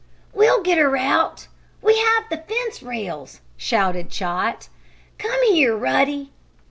"We'll get her out! We have the fence rails!" shouted Chot. "Come here, Ruddy!"